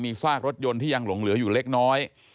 ซากรถยนต์ที่ยังหลงเหลืออยู่เล็กน้อย